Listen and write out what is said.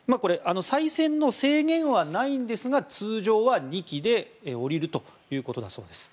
再選の制限はないんですが通常は２期で下りるということだそうです。